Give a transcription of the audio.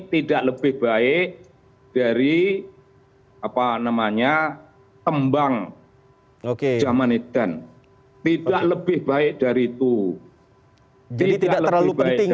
tidak lebih baik dari apa namanya tembang zaman eden tidak lebih baik dari itu tidak lebih baik